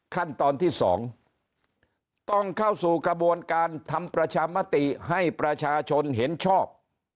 ขั้นตอนที่๒ต้องเข้าสู่กระบวนการทำประชามติให้ประชาชนเห็นชอบ